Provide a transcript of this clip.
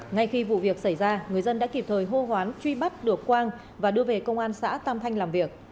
ngay khi vụ việc xảy ra người dân đã kịp thời hô hoán truy bắt được quang và đưa về công an xã tam thanh làm việc